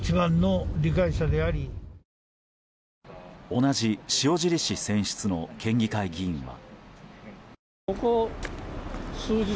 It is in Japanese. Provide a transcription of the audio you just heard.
同じ塩尻市選出の県議会議員は。